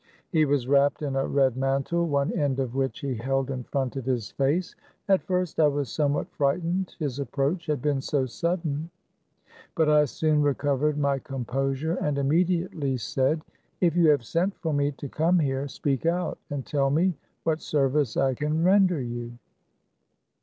He was wrapped in a red mantle, one end of which he held in front of his face. At first I was somewhat frightened, his approach had been so sudden. But I soon recovered my composure, and imme THE CAB AVAN. 135 diately said, " If you have sent for me to come here, speak out, and tell me what service I can render you."